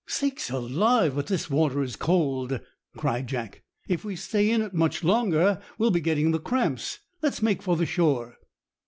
"Sakes alive, but this water is cold!" cried Jack. "If we stay in it much longer we'll be getting the cramps. Let's make for the shore."